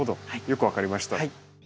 よく分かりました。